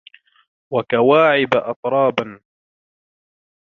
وَكَوَاعِبَ أَتْرَابًا